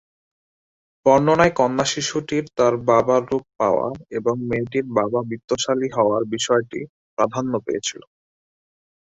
বর্ণনায় কন্যা শিশুটির তার বাবার রূপ পাওয়া এবং মেয়েটির বাবা বিত্তশালী হওয়ার বিষয়টি প্রাধান্য পেয়েছিল।